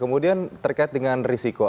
kemudian terkait dengan risiko